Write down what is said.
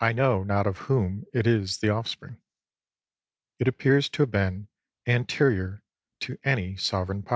I know not of whom it is the offspring. It appears to have been anterior to any Sovereign Power.